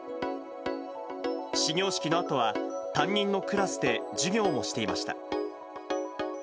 始業式のあとは、担任のクラスで授業もしていました。